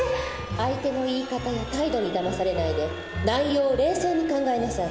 相手の言い方や態度にだまされないで内容を冷静に考えなさい。